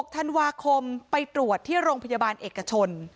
๖ธันวาคมไปตรวจที่โรงพยาบาลเอกชน